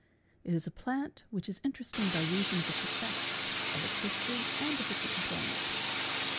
It is a plant which is interesting by reason of its effects, of its history, and of its employment.